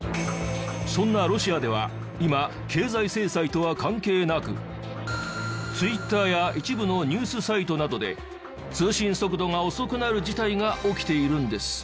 そんなロシアでは今経済制裁とは関係なくツイッターや一部のニュースサイトなどで通信速度が遅くなる事態が起きているんです。